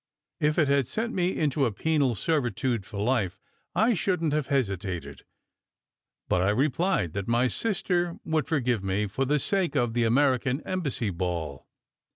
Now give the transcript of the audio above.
If it had sent me into penal servitude for life, I shouldn t have hesitated; but I replied that my sister would forgive 30 SECRET HISTORY me for the sake of the American Embassy ball.